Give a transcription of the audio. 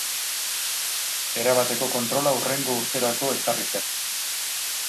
Erabateko kontrola hurrengo urterako ezarri zen.